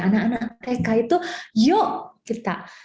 anak anak mereka itu yuk kita